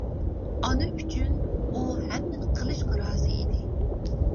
ئانا ئۈچۈن، ئۇ ھەممىنى قىلىشقا رازى ئىدى!